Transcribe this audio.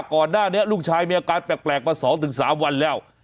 ก่อนหน้านี้ลูกชายมีอาการแปลกมา๒๓วันแล้ว